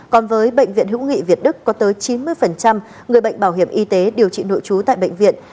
còn với bệnh viện hữu nghị việt đức có tới chín mươi người bệnh bảo hiểm y tế điều trị nội trú tại bệnh viện